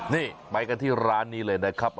นี่ไปกันที่ร้านนี้เลยนะครับ